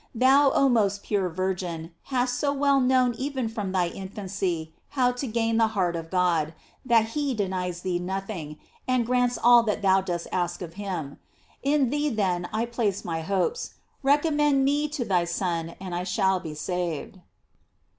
Thou, oh most pure Virgin, hast so well known even from thy infancy how to gain the heart of God, that he denies thee noth ing, and grants all that thou dost ask of him. In thee then I place my hopes. Recommend me to thy Son, and I shall be saved.